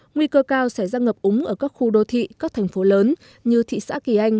nguy cơ cao sẽ ra ngập úng ở các khu đô thị các thành phố lớn như thị xã kỳ anh